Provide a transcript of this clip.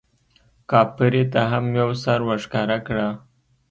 کاپري ته هم یو سر ورښکاره کړه.